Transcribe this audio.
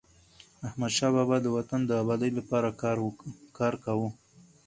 احمدشاه بابا د وطن د ابادی لپاره کار کاوه.